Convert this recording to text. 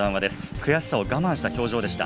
悔しさを我慢した表情でした。